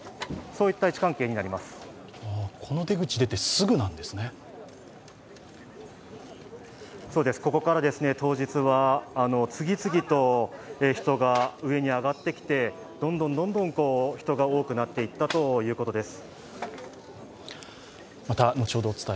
そうです、ここから当日は次々と人が上に上がってきてどんどんどんどん人が多くなっていったということです。